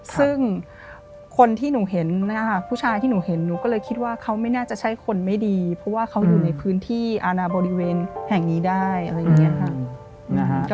ซึ่งคนที่หนูเห็นนะคะผู้ชายที่หนูเห็นหนูก็เลยคิดว่าเขาไม่น่าจะใช่คนไม่ดีเพราะว่าเขาอยู่ในพื้นที่อาณาบริเวณแห่งนี้ได้อะไรอย่างนี้ค่ะ